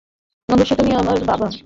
অবশ্যই তুমি আমার বাবা।